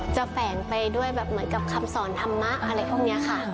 แฝงไปด้วยแบบเหมือนกับคำสอนธรรมะอะไรพวกนี้ค่ะ